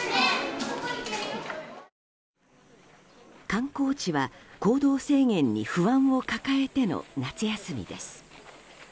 観光地は行動制限に不安を抱えての夏休みです。